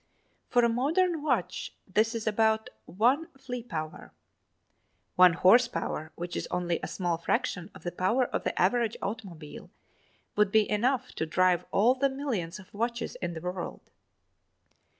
For a modern watch, this is about one flea power. One horse power, which is only a small fraction of the power of the average automobile, would be enough to drive all the millions of watches in the world.